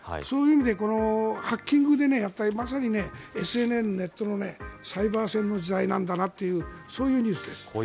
そういう意味でハッキングでまさにＳＮＳ、ネットのサイバー戦の時代なんだなというそういうニュースです。